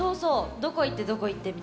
どこ行ってどこ行ってみたいな。